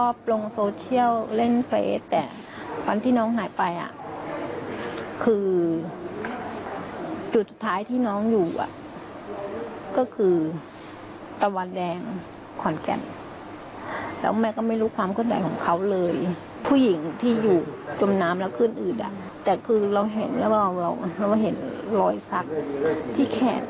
ผู้หญิงที่อยู่จมน้ำและขึ้นอืดแต่คือเราเห็นแล้วเราเห็นรอยสักที่แขก